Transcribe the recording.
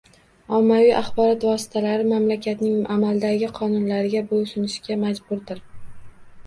Ommaviy axborot vositalari mamlakatning amaldagi qonunlariga bo'ysunishga majburdir